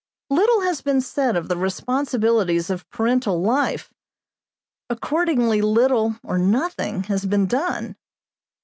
Little has been said of the responsibilities of parental life; accordingly little or nothing has been done.